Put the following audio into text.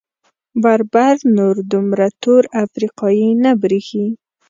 بربر نور دومره تور افریقايي نه برېښي.